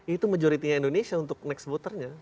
itu majoritinya indonesia untuk next voternya